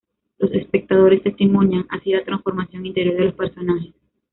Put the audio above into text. Los espectadores testimonian así la transformación interior de los personajes.